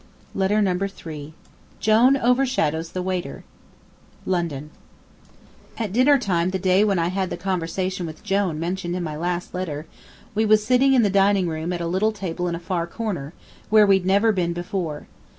Letter Number Three LONDON At dinner time the day when I had the conversation with Jone mentioned in my last letter, we was sitting in the dining room at a little table in a far corner, where we'd never been before.